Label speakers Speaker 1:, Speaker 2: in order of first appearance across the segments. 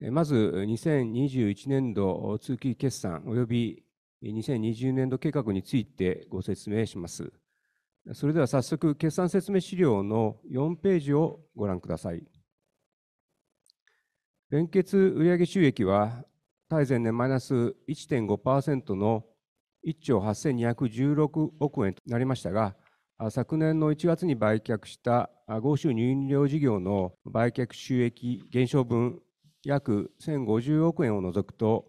Speaker 1: まず、2021年度通期決算及び2022年度計画についてご説明します。それでは早速、決算説明資料の4ページをご覧ください。連結売上収益は対前年マイナス 1.5% の1兆 8,216 億円となりましたが、昨年の1月に売却した豪州飲料事業の売却収益減少分約 1,050 億円を除くと、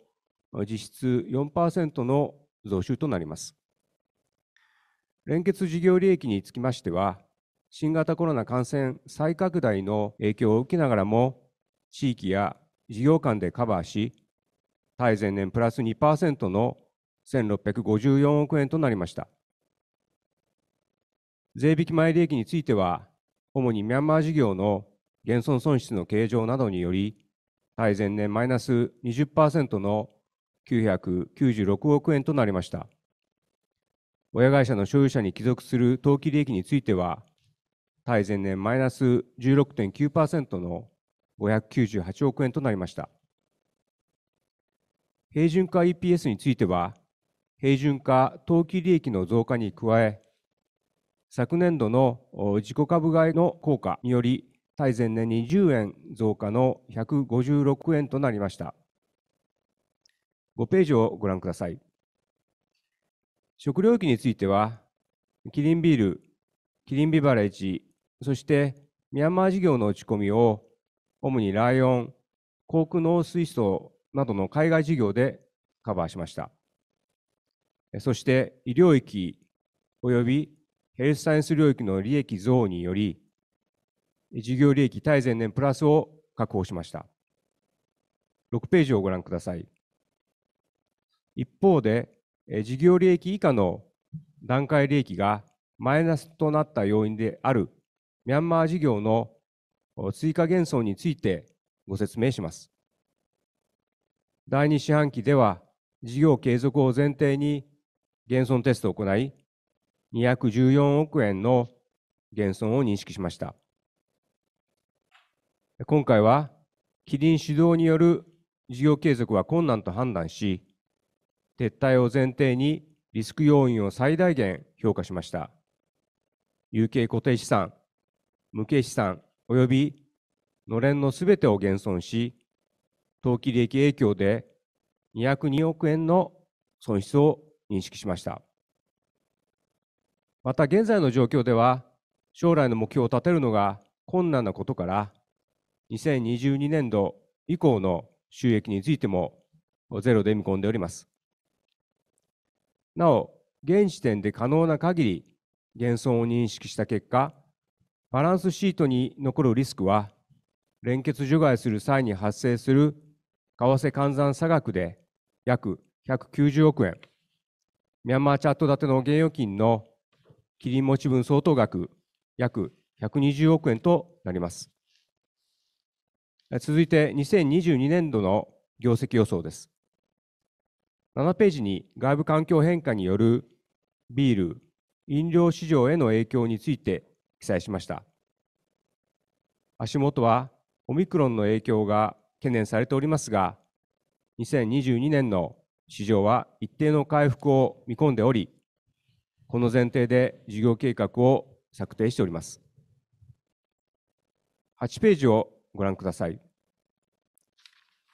Speaker 1: 実質 4% の増収となります。連結事業利益につきましては、新型コロナ感染再拡大の影響を受けながらも、地域や事業間でカバーし、対前年プラス 2% の 1,654 億円となりました。税引き前利益については、主にミャンマー事業の減損損失の計上などにより、対前年マイナス 20% の996億円となりました。親会社の所有者に帰属する当期利益については、対前年マイナス 16.9% の598億円となりました。平準化 EPS については、平準化当期利益の増加に加え、昨年度の自己株買いの効果により対前年20円増加の156円となりました。5ページをご覧ください。食領域についてはキリンビール、キリンビバレッジ、そしてミャンマー事業の落ち込みを主にライオン、航空農水槽などの海外事業でカバーしました。そして、医療域およびヘルスサイエンス領域の利益増により、事業利益対前年プラスを確保しました。6ページをご覧ください。一方で、事業利益以下の段階利益がマイナスとなった要因であるミャンマー事業の追加減損についてご説明します。第2四半期では事業継続を前提に減損テストを行い、214億円の減損を認識しました。今回はキリン主導による事業継続は困難と判断し、撤退を前提にリスク要因を最大限評価しました。有形固定資産、無形資産およびのれんの全てを減損し、当期利益影響で202億円の損失を認識しました。また、現在の状況では将来の目標を立てるのが困難なことから、2022年度以降の収益についても0で見込んでおります。なお、現時点で可能な限り減損を認識した結果、バランスシートに残るリスクは連結除外する際に発生する為替換算差額で約190億円。ミャンマーチャット建ての現預金のキリン持ち分相当額約120億円となります。続いて2022年度の業績予想です。7ページに外部環境変化によるビール飲料市場への影響について記載しました。足元はオミクロン株の影響が懸念されておりますが、2022年の市場は一定の回復を見込んでおり、この前提で事業計画を策定しております。8ページをご覧ください。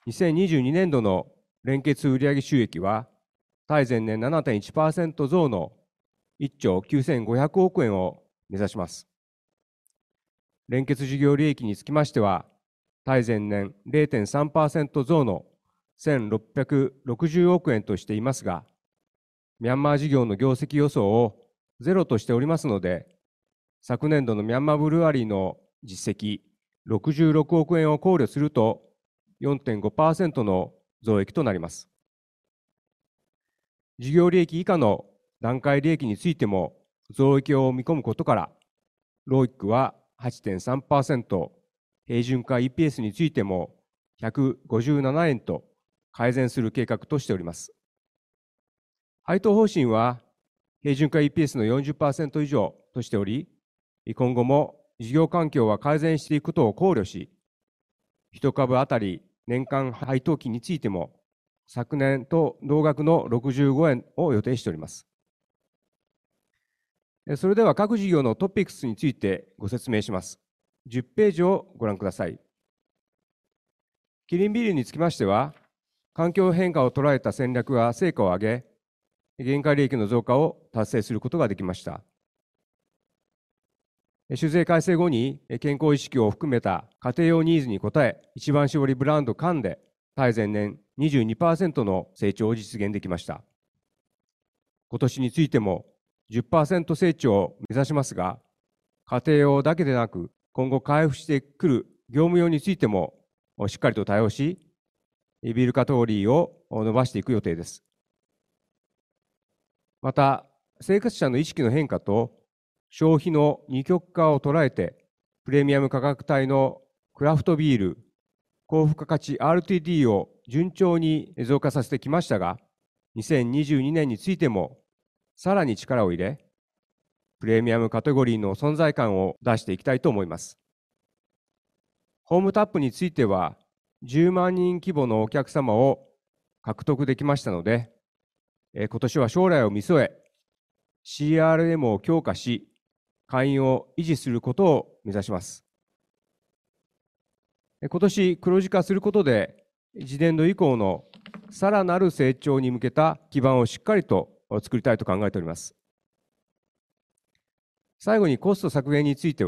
Speaker 1: 2022年度の連結売上収益は、対前年 7.1% 増の1兆 9,500 億円を目指します。連結事業利益につきましては、対前年 0.3% 増の 1,660 億円としていますが、ミャンマー事業の業績予想を0としておりますので、昨年度の Myanmar Brewery Limited の実績66億円を考慮すると 4.5% の増益となります。事業利益以下の段階利益についても増益を見込むことから、ROIC は 8.3%。平準化 EPS についても157円と改善する計画としております。配当方針は平準化 EPS の 40% 以上としており、今後も事業環境は改善していくことを考慮し、1株当たり年間配当金についても昨年と同額の65円を予定しております。それでは、各事業のトピックスについてご説明します。10ページをご覧ください。キリンビールにつきましては、環境変化を捉えた戦略が成果を上げ、原価利益の増加を達成することができました。酒税改正後に健康意識を含めた家庭用ニーズに応え、一番搾りブランド缶で対前年 22% の成長を実現できました。今年についても 10% 成長を目指しますが、家庭用だけでなく、今後回復してくる業務用についてもしっかりと対応し、ビールカテゴリーを伸ばしていく予定です。また、生活者の意識の変化と消費の二極化を捉えて、プレミアム価格帯のクラフトビール、高付加価値 RTD を順調に増加させてきましたが、2022年についてもさらに力を入れ、プレミアムカテゴリーの存在感を出していきたいと思います。ホームタップについては10万人規模のお客様を獲得できましたので、今年は将来を見据え、CRM を強化し、会員を維持することを目指します。今年黒字化することで、次年度以降のさらなる成長に向けた基盤をしっかりと作りたいと考えております。最後にコスト削減について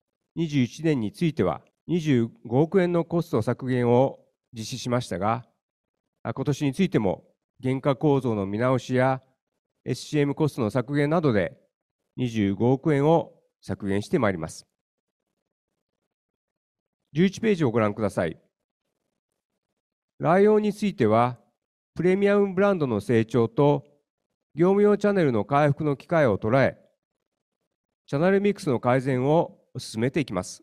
Speaker 1: は、21年については25億円のコスト削減を実施しましたが、今年についても原価構造の見直しや SCM コストの削減などで25億円を削減してまいります。11ページをご覧ください。ライオンについては、プレミアムブランドの成長と業務用チャネルの回復の機会を捉え、チャネルミックスの改善を進めていきます。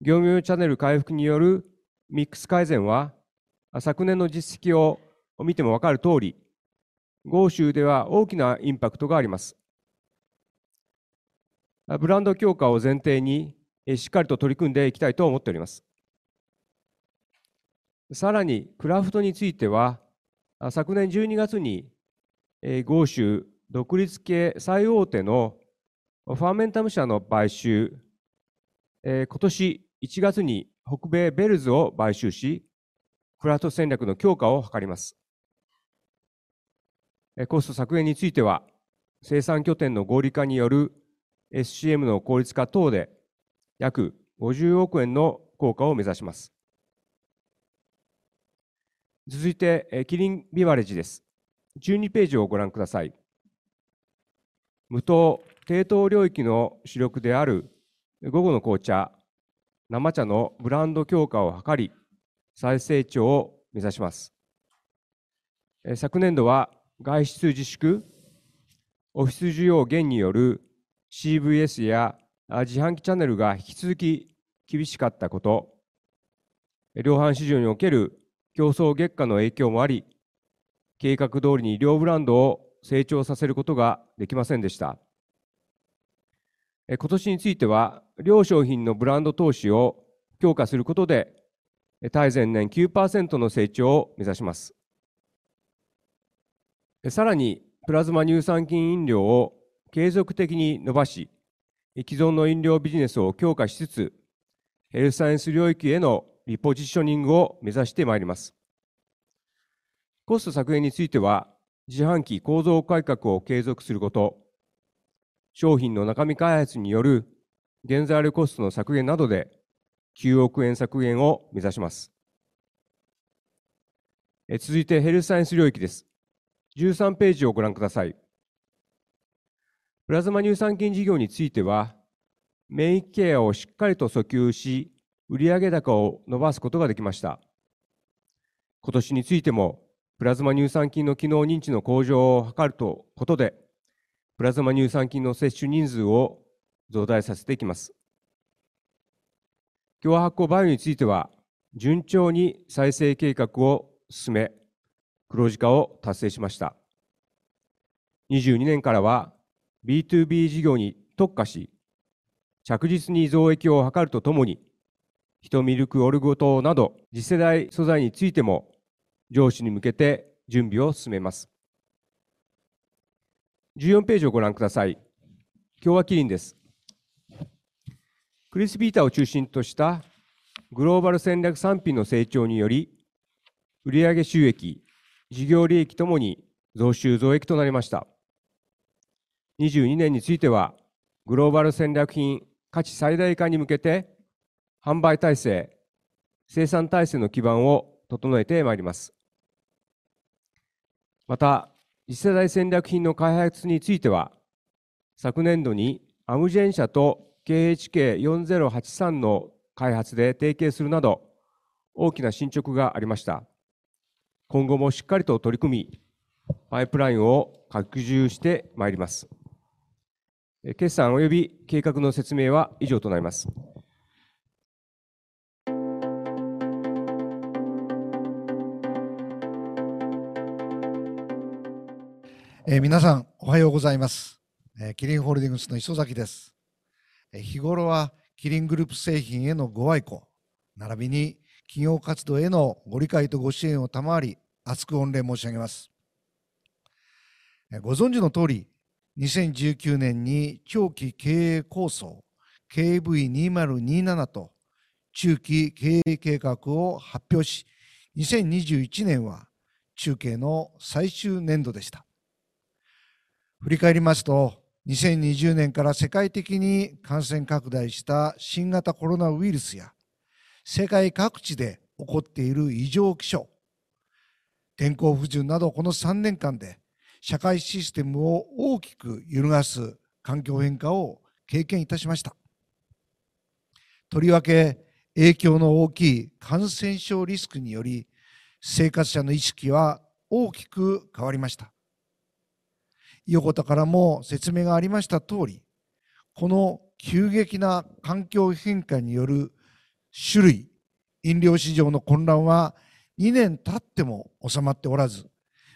Speaker 1: 業務用チャネル回復によるミックス改善は、昨年の実績を見てもわかるとおり、業種では大きなインパクトがあります。ブランド強化を前提にしっかりと取り組んでいきたいと思っております。さらに、クラフトについては、昨年12月に豪州独立系最大手のファーメンタム社の買収、今年1月に北米 Bell's Brewery を買収し、クラフト戦略の強化を図ります。コスト削減については、生産拠点の合理化による SCM の効率化等で約50億円の効果を目指します。続いてキリンビバレッジです。12ページをご覧ください。無糖低糖領域の主力である午後の紅茶、生茶のブランド強化を図り、再成長を目指します。昨年度は外出自粛、オフィス需要減による CVS や自販機チャネルが引き続き厳しかったこと、量販市場における競争激化の影響もあり、計画通りに両ブランドを成長させることができませんでした。今年については、両商品のブランド投資を強化することで、対前年 9% の成長を目指します。さらに、プラズマ乳酸菌飲料を継続的に伸ばし、既存の飲料ビジネスを強化しつつ、ヘルスサイエンス領域へのリポジショニングを目指してまいります。コスト削減については、自販機構造改革を継続すること、商品の中身開発による原材料コストの削減などで9億円削減を目指します。続いてヘルスサイエンス領域です。13ページをご覧ください。プラズマ乳酸菌事業については、免疫ケアをしっかりと訴求し、売上高を伸ばすことができました。今年についても、プラズマ乳酸菌の機能認知の向上を図ることで、プラズマ乳酸菌の摂取人数を増大させていきます。協和発酵バイオについては、順調に再生計画を進め、黒字化を達成しました。22年からは BtoB 事業に特化し、着実に増益を図るとともに、ヒトミルクオリゴ糖など次世代素材についても上市に向けて準備を進めます。14ページをご覧ください。協和キリンです。Crysvita を中心としたグローバル戦略三品の成長により、売上収益、事業利益ともに増収増益となりました。22年については、グローバル戦略品価値最大化に向けて販売体制、生産体制の基盤を整えてまいります。また、次世代戦略品の開発については、昨年度に Amgen 社と KHK4083 の開発で提携するなど、大きな進捗がありました。今後もしっかりと取り組み、パイプラインを拡充してまいります。決算および計画の説明は以上となります。
Speaker 2: 皆さん、おはようございます。キリンホールディングスの磯崎です。日頃はキリングループ製品へのご愛顧、ならびに企業活動へのご理解とご支援を賜り、厚く御礼申し上げます。ご存知の通り、2019年に長期経営構想 KV2027 と中期経営計画を発表し、2021年は中計の最終年度でした。振り返りますと、2020年から世界的に感染拡大した新型コロナウイルスや、世界各地で起こっている異常気象、天候不順など、この3年間で社会システムを大きく揺るがす環境変化を経験いたしました。とりわけ影響の大きい感染症リスクにより、生活者の意識は大きく変わりました。横田からも説明がありました通り、この急激な環境変化による酒類飲料市場の混乱は、2年経っても収まっておらず、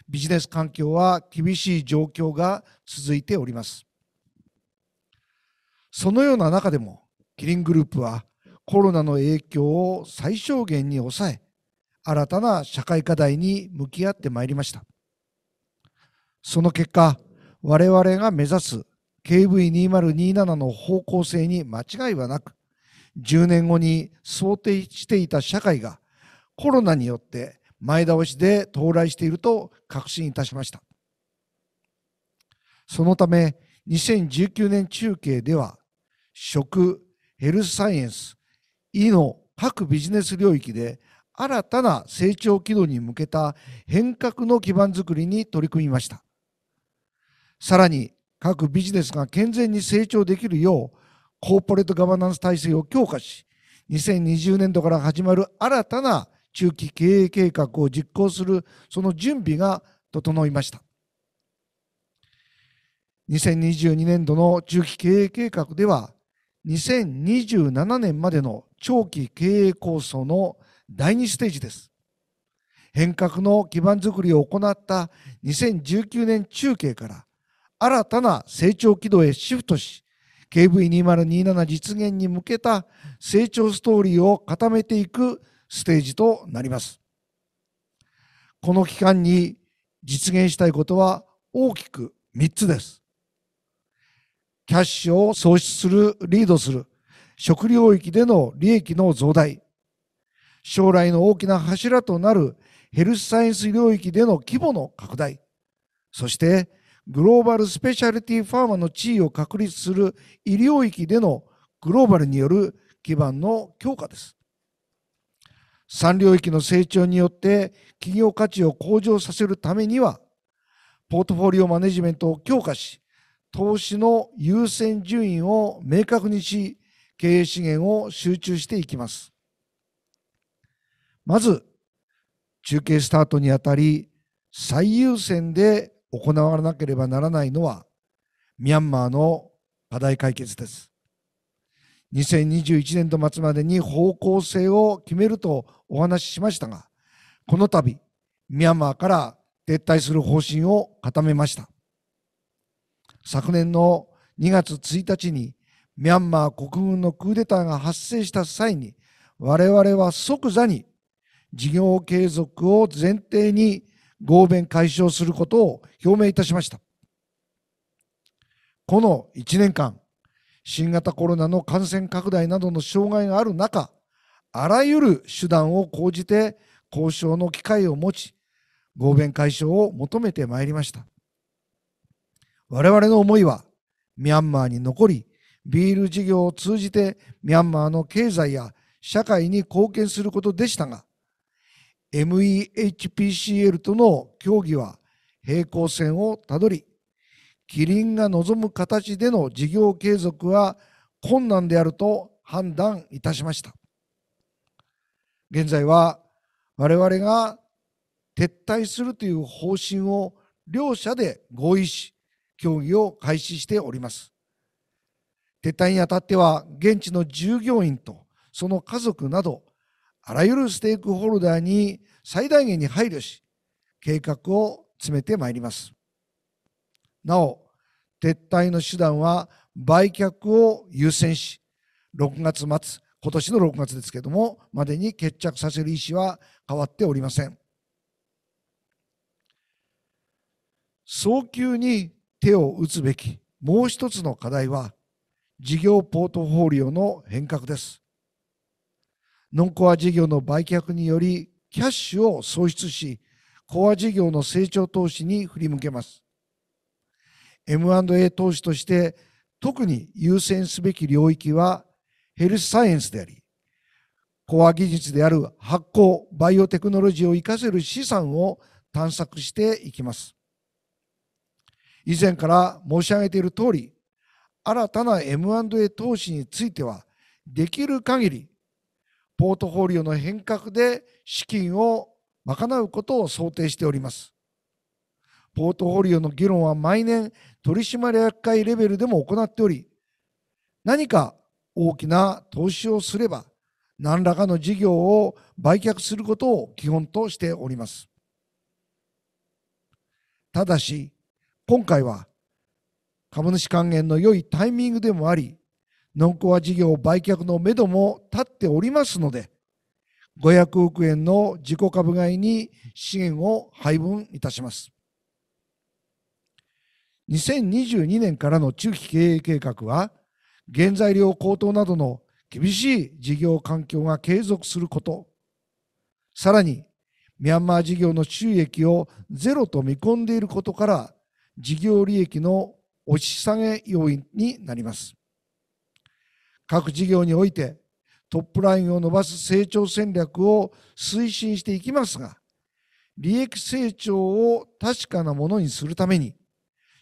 Speaker 2: ビジネス環境は厳しい状況が続いております。そのような中でも、キリングループはコロナの影響を最小限に抑え、新たな社会課題に向き合ってまいりました。その結果、我々が目指す KV2027 の方向性に間違いはなく、10年後に想定していた社会がコロナによって前倒しで到来していると確信いたしました。そのため、2019年中計では、食、ヘルスサイエンス、医の各ビジネス領域で新たな成長軌道に向けた変革の基盤づくりに取り組みました。さらに、各ビジネスが健全に成長できるよう、コーポレートガバナンス体制を強化し、2020年度から始まる新たな中期経営計画を実行する、その準備が整いました。2022年度の中期経営計画では、2027年までの長期経営構想の第2ステージです。変革の基盤づくりを行った2019年中計から新たな成長軌道へシフトし、KV2027 実現に向けた成長ストーリーを固めていくステージとなります。この期間に実現したいことは大きく3つです。キャッシュを創出する、リードする、食領域での利益の増大、将来の大きな柱となるヘルスサイエンス領域での規模の拡大、そしてグローバル・スペシャリティファーマの地位を確立する医領域でのグローバルによる基盤の強化です。3領域の成長によって企業価値を向上させるためには、ポートフォリオマネジメントを強化し、投資の優先順位を明確にし、経営資源を集中していきます。まず、中計スタートにあたり、最優先で行わなければならないのはミャンマーの課題解決です。2021年度末までに方向性を決めるとお話ししましたが、この度、ミャンマーから撤退する方針を固めました。昨年の2月1日にミャンマー国軍のクーデターが発生した際に、我々は即座に事業継続を前提に合弁解消することを表明いたしました。この1年間、新型コロナの感染拡大などの障害がある中、あらゆる手段を講じて交渉の機会を持ち、合弁解消を求めてまいりました。我々の思いは、ミャンマーに残り、ビール事業を通じてミャンマーの経済や社会に貢献することでしたが、MEHPCL との協議は平行線をたどり、キリンが望む形での事業継続は困難であると判断いたしました。現在は我々が撤退するという方針を両社で合意し、協議を開始しております。撤退にあたっては、現地の従業員とその家族など、あらゆるステークホルダーに最大限に配慮し、計画を詰めてまいります。なお、撤退の手段は売却を優先し、6月末、今年の6月ですけれども、までに決着させる意思は変わっておりません。早急に手を打つべきもう一つの課題は、事業ポートフォリオの変革です。ノンコア事業の売却によりキャッシュを創出し、コア事業の成長投資に振り向けます。M&A 投資として特に優先すべき領域はヘルスサイエンスであり、コア技術である発酵・バイオテクノロジーを生かせる資産を探索していきます。以前から申し上げている通り、新たな M&A 投資については、できる限りポートフォリオの変革で資金を賄うことを想定しております。ポートフォリオの議論は毎年取締役会レベルでも行っており、何か大きな投資をすれば何らかの事業を売却することを基本としております。ただし、今回は株主還元の良いタイミングでもあり、ノンコア事業売却の目処も立っておりますので、500億円の自己株買いに資源を配分いたします。2022年からの中期経営計画は、原材料高騰などの厳しい事業環境が継続すること、さらにミャンマー事業の収益をゼロと見込んでいることから、事業利益の押し下げ要因になります。各事業においてトップラインを伸ばす成長戦略を推進していきますが、利益成長を確かなものにするために、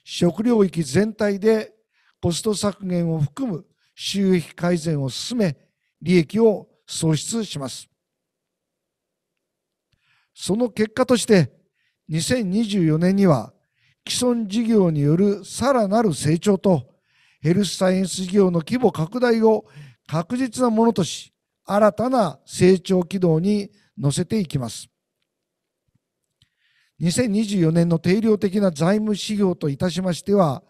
Speaker 2: 食領域全体でコスト削減を含む収益改善を進め、利益を創出します。その結果として、2024年には既存事業によるさらなる成長とヘルスサイエンス事業の規模拡大を確実なものとし、新たな成長軌道に乗せていきます。2024年の定量的な財務指標といたしましては、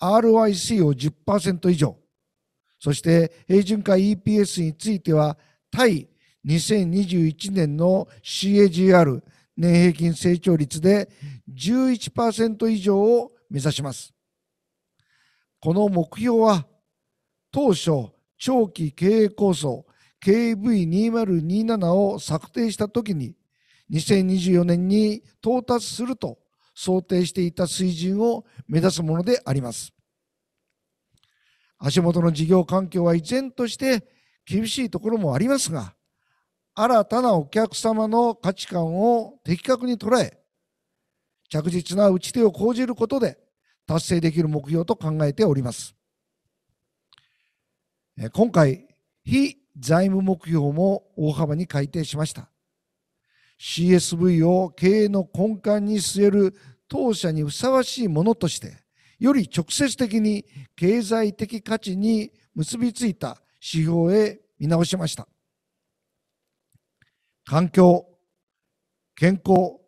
Speaker 2: ROIC を 10% 以上、そして平準化 EPS については対2021年の CAGR 年平均成長率で 11% 以上を目指します。この目標は、当初、長期経営構想 KV2027 を策定した時に、2024年に到達すると想定していた水準を目指すものであります。足元の事業環境は依然として厳しいところもありますが、新たなお客様の価値観を的確に捉え、着実な打ち手を講じることで達成できる目標と考えております。今回、非財務目標も大幅に改定しました。CSV を経営の根幹に据える当社にふさわしいものとして、より直接的に経済的価値に結びついた指標へ見直しました。環境、健康、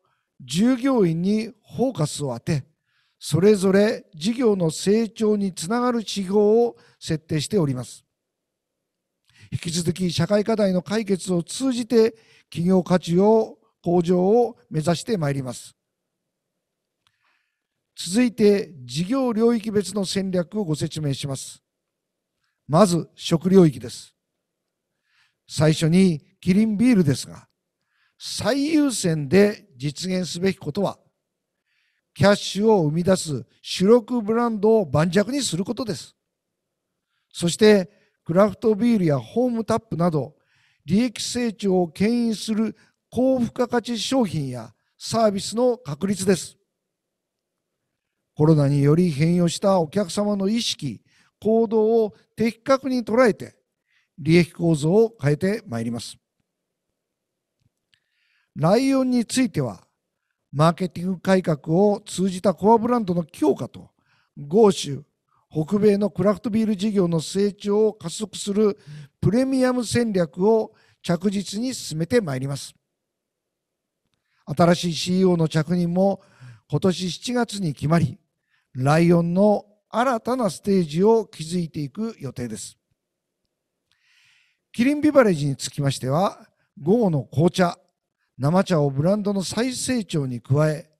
Speaker 2: 従業員にフォーカスを当て、それぞれ事業の成長につながる指標を設定しております。引き続き、社会課題の解決を通じて企業価値の向上を目指してまいります。続いて、事業領域別の戦略をご説明します。まず、食領域です。最初にキリンビールですが、最優先で実現すべきことは、キャッシュを生み出す主力ブランドを盤石にすることです。そして、クラフトビールやホームタップなど、利益成長を牽引する高付加価値商品やサービスの確立です。コロナにより変容したお客様の意識、行動を的確に捉えて利益構造を変えてまいります。ライオンについては、マーケティング改革を通じたコアブランドの強化と豪州北米のクラフトビール事業の成長を加速するプレミアム戦略を着実に進めてまいります。新しい CEO の着任も今年7月に決まり、ライオンの新たなステージを築いていく予定です。キリンビバレッジにつきましては、午後の紅茶、生茶をブランドの再成長に加え、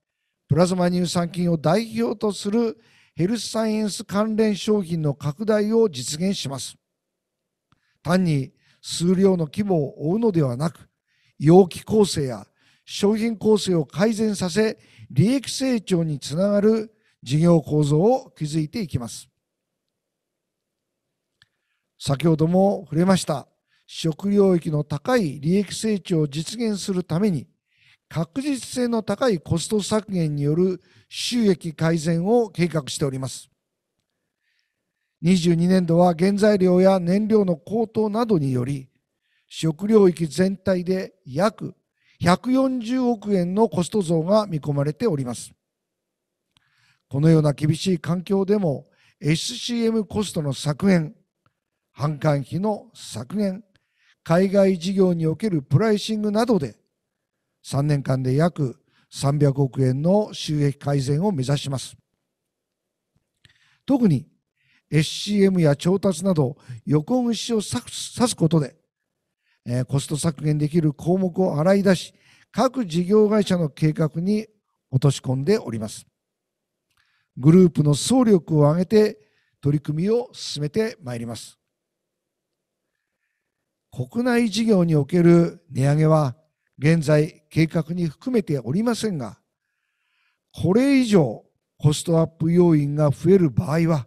Speaker 2: プラズマ乳酸菌を代表とするヘルスサイエンス関連商品の拡大を実現します。単に数量の規模を追うのではなく、容器構成や商品構成を改善させ、利益成長につながる事業構造を築いていきます。先ほども触れました、食領域の高い利益成長を実現するために、確実性の高いコスト削減による収益改善を計画しております。2022年度は原材料や燃料の高騰などにより、食領域全体で約140億円のコスト増が見込まれております。このような厳しい環境でも、SCM コストの削減、販管費の削減、海外事業におけるプライシングなどで、3年間で約300億円の収益改善を目指します。特に SCM や調達など横串を刺すことでコスト削減できる項目を洗い出し、各事業会社の計画に落とし込んでおります。グループの総力を挙げて取り組みを進めてまいります。国内事業における値上げは現在計画に含めておりませんが、これ以上コストアップ要因が増える場合は、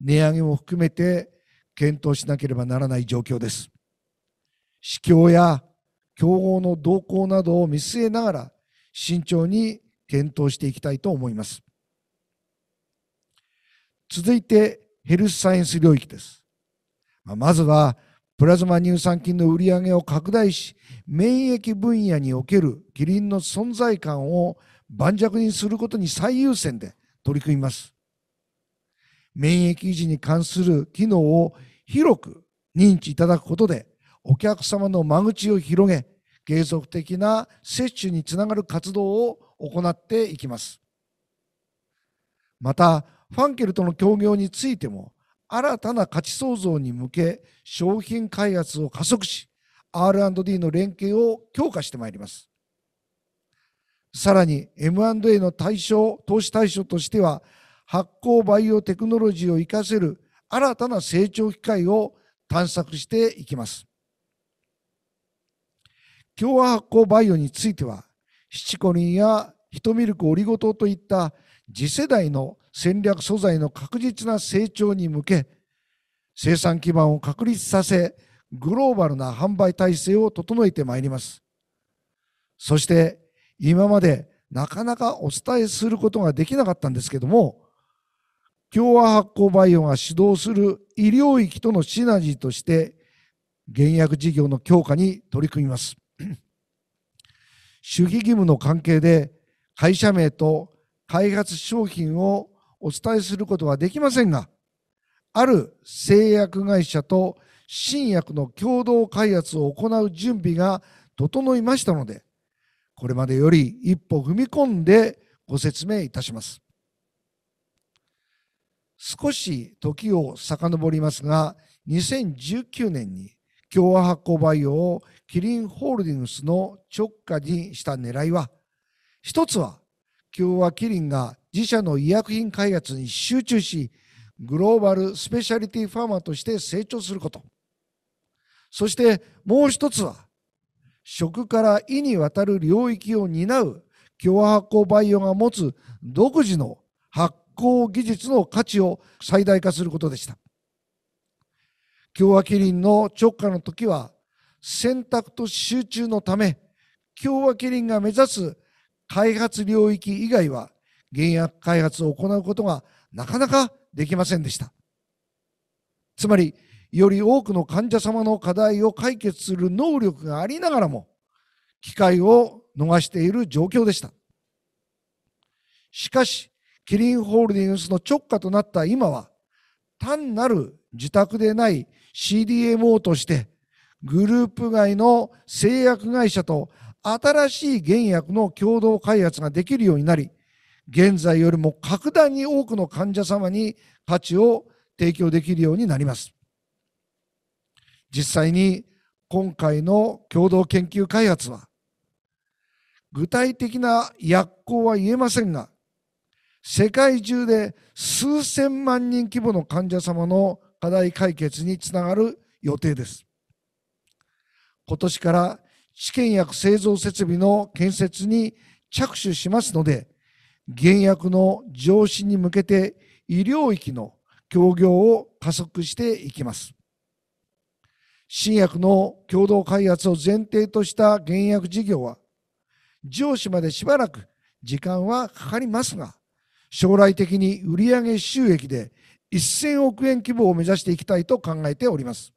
Speaker 2: 値上げも含めて検討しなければならない状況です。市況や競合の動向などを見据えながら、慎重に検討していきたいと思います。続いてヘルスサイエンス領域です。まずはプラズマ乳酸菌の売り上げを拡大し、免疫分野におけるキリンの存在感を盤石にすることに最優先で取り組みます。免疫維持に関する機能を広く認知いただくことで、お客様の間口を広げ、継続的な摂取につながる活動を行っていきます。また、ファンケルとの協業についても、新たな価値創造に向け、商品開発を加速し、R&D の連携を強化してまいります。さらに、M&A の対象投資対象としては、発酵・バイオテクノロジーを生かせる新たな成長機会を探索していきます。協和発酵バイオについては、シチコリンやヒトミルクオリゴ糖といった次世代の戦略素材の確実な成長に向け、生産基盤を確立させ、グローバルな販売体制を整えてまいります。そして、今までなかなかお伝えすることができなかったんですけども、協和発酵バイオが主導する医療域とのシナジーとして、原薬事業の強化に取り組みます。守秘義務の関係で会社名と開発商品をお伝えすることはできませんが、ある製薬会社と新薬の共同開発を行う準備が整いましたので、これまでより一歩踏み込んでご説明いたします。少し時を遡りますが、2019年に協和発酵バイオをキリンホールディングスの直下にした狙いは、一つは協和キリンが自社の医薬品開発に集中し、グローバル・スペシャリティファーマとして成長すること、そしてもう一つは、食から医にわたる領域を担う協和発酵バイオが持つ独自の発酵技術の価値を最大化することでした。協和キリンの直下の時は、選択と集中のため、協和キリンが目指す開発領域以外は原薬開発を行うことがなかなかできませんでした。つまり、より多くの患者様の課題を解決する能力がありながらも、機会を逃している状況でした。しかし、キリンホールディングスの直下となった今は、単なる受託でない CDMO として、グループ外の製薬会社と新しい原薬の共同開発ができるようになり、現在よりも格段に多くの患者様に価値を提供できるようになります。実際に今回の共同研究開発は、具体的な薬効は言えませんが、世界中で数千万人規模の患者様の課題解決につながる予定です。今年から試験薬製造設備の建設に着手しますので、原薬の上市に向けて医療域の協業を加速していきます。新薬の共同開発を前提とした原薬事業は、上市までしばらく時間はかかりますが、将来的に売上収益で 1,000 億円規模を目指していきたいと考えております。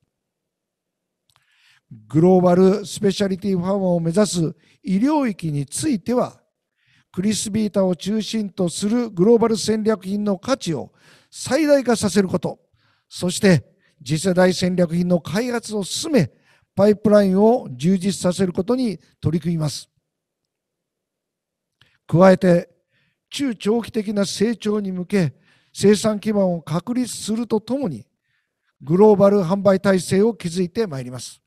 Speaker 2: グローバル・スペシャリティファーマを目指す医療域については、Crysvita を中心とするグローバル戦略品の価値を最大化させること、そして次世代戦略品の開発を進め、パイプラインを充実させることに取り組みます。加えて、中長期的な成長に向け、生産基盤を確立するとともに、グローバル販売体制を築いてまいります。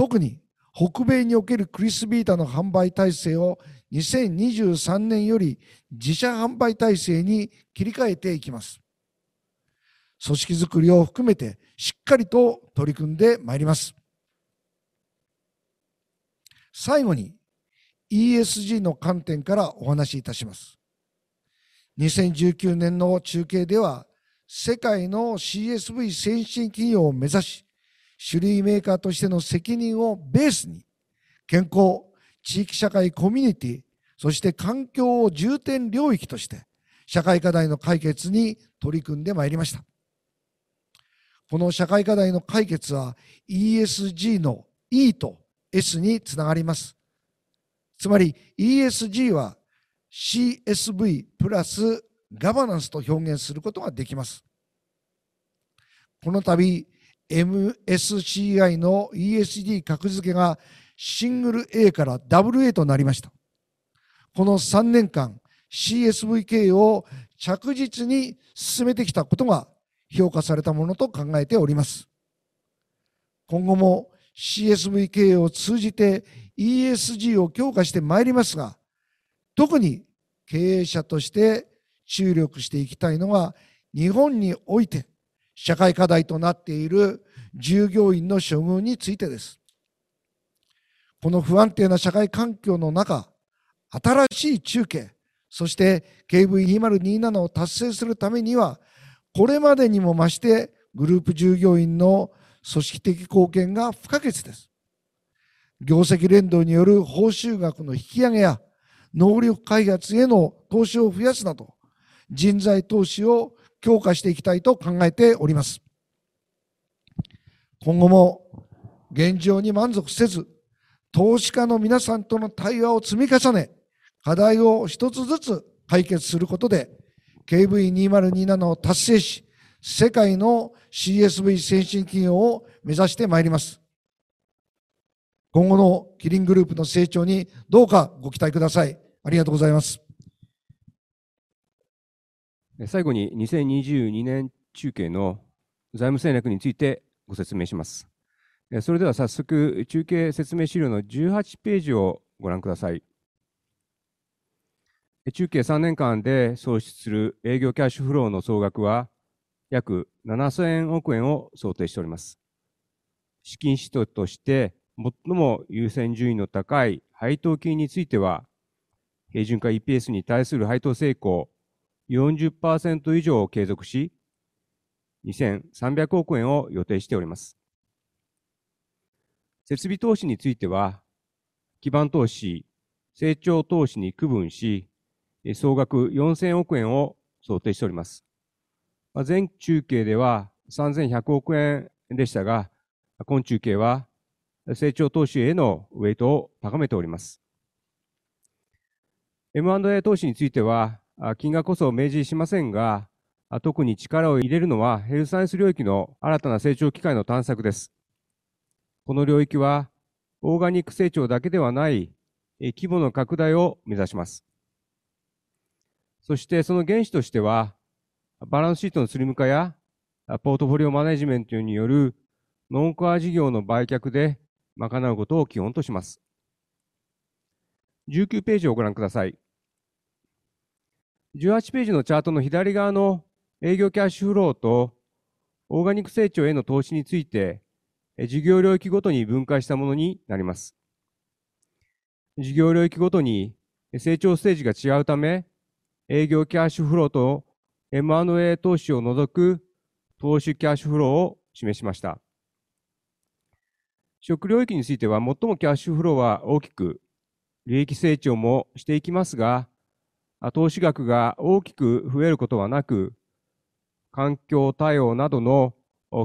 Speaker 2: 特に北米における Crysvita の販売体制を2023年より自社販売体制に切り替えていきます。組織作りを含めてしっかりと取り組んでまいります。最後に、ESG の観点からお話しいたします。2019年の中計では、世界の CSV 先進企業を目指し、酒類メーカーとしての責任をベースに、健康、地域社会コミュニティ、そして環境を重点領域として社会課題の解決に取り組んでまいりました。この社会課題の解決は、ESG の E と S につながります。つまり、ESG は CSV プラスガバナンスと表現することができます。この度、MSCI の ESG 格付けがシングル A からダブル A となりました。この3年間、CSV 経営を着実に進めてきたことが評価されたものと考えております。今後も CSV 経営を通じて ESG を強化してまいりますが、特に経営者として注力していきたいのが、日本において社会課題となっている従業員の処遇についてです。この不安定な社会環境の中、新しい中計、そして KV2027 を達成するためには、これまでにも増してグループ従業員の組織的貢献が不可欠です。業績連動による報酬額の引き上げや能力開発への投資を増やすなど、人材投資を強化していきたいと考えております。今後も現状に満足せず、投資家の皆さんとの対話を積み重ね、課題を一つずつ解決することで KV2027 を達成し、世界の CSV 先進企業を目指してまいります。今後のキリングループの成長にどうかご期待ください。ありがとうございます。
Speaker 1: 最後に、2022年中計の財務戦略についてご説明します。それでは早速、中計説明資料の18ページをご覧ください。中計3年間で創出する営業キャッシュフローの総額は、約 7,000 億円を想定しております。資金使途として最も優先順位の高い配当金については、平準化 EPS に対して配当性向 40% 以上を継続し、2,300 億円を予定しております。設備投資については基盤投資、成長投資に区分し、総額 4,000 億円を想定しております。前中計では 3,100 億円でしたが、今中計は成長投資へのウエイトを高めております。M&A 投資については金額こそ明示しませんが、特に力を入れるのはヘルスサイエンス領域の新たな成長機会の探索です。この領域はオーガニック成長だけではない規模の拡大を目指します。そして、その原資としてはバランスシートのスリム化やポートフォリオマネジメントによるノンコア事業の売却で賄うことを基本とします。19ページをご覧ください。18ページのチャートの左側の営業キャッシュフローとオーガニック成長への投資について、事業領域ごとに分解したものになります。事業領域ごとに成長ステージが違うため、営業キャッシュフローと M&A 投資を除く投資キャッシュフローを示しました。食領域については、最もキャッシュフローは大きく、利益成長もしていきますが、投資額が大きく増えることはなく、環境対応などの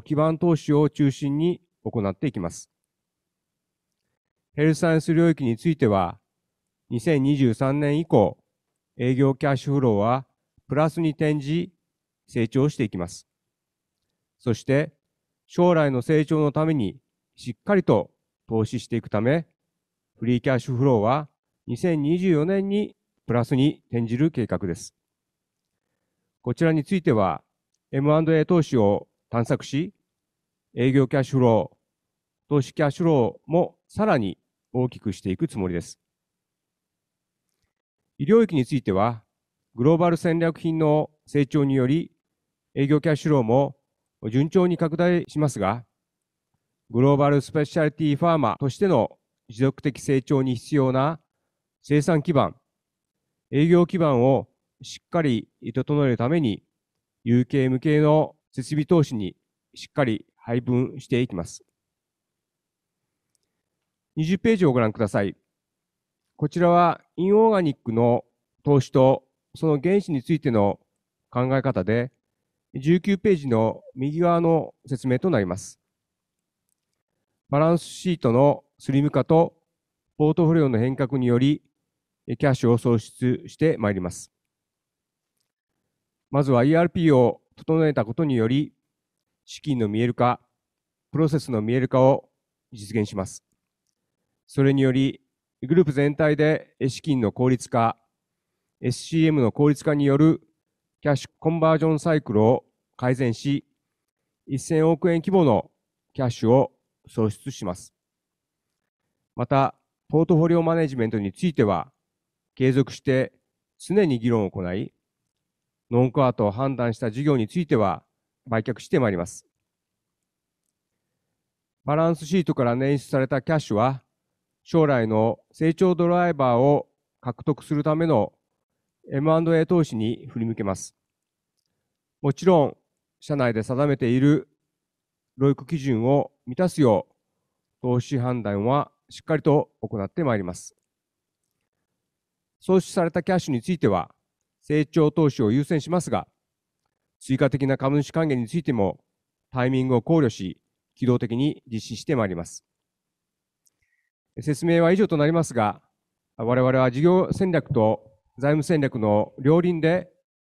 Speaker 1: 基盤投資を中心に行っていきます。ヘルスサイエンス領域については、2023年以降、営業キャッシュフローはプラスに転じ、成長していきます。そして、将来の成長のためにしっかりと投資していくため、フリーキャッシュフローは2024年にプラスに転じる計画です。こちらについては、M&A 投資を探索し、営業キャッシュフロー、投資キャッシュフローもさらに大きくしていくつもりです。医療域については、グローバル戦略品の成長により営業キャッシュフローも順調に拡大しますが、グローバル・スペシャリティファーマとしての持続的成長に必要な生産基盤、営業基盤をしっかり整えるために、有形無形の設備投資にしっかり配分していきます。20ページをご覧ください。こちらはインオーガニックの投資とその原資についての考え方で、19ページの右側の説明となります。バランスシートのスリム化とポートフォリオの変革によりキャッシュを創出してまいります。まずは ERP を整えたことにより、資金の見える化、プロセスの見える化を実現します。それにより、グループ全体で資金の効率化、SCM の効率化によるキャッシュ・コンバージョン・サイクルを改善し、1,000 億円規模のキャッシュを創出します。また、ポートフォリオマネジメントについては継続して常に議論を行い、ノンコアと判断した事業については売却してまいります。バランスシートから捻出されたキャッシュは、将来の成長ドライバーを獲得するための M&A 投資に振り向けます。もちろん、社内で定めている ROIC 基準を満たすよう投資判断はしっかりと行ってまいります。創出されたキャッシュについては成長投資を優先しますが、追加的な株主還元についてもタイミングを考慮し、機動的に実施してまいります。説明は以上となりますが、我々は事業戦略と財務戦略の両輪で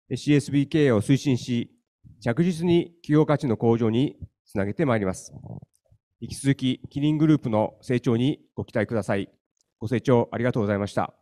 Speaker 1: CSV 経営を推進し、着実に企業価値の向上につなげてまいります。引き続きキリングループの成長にご期待ください。ご清聴ありがとうございました。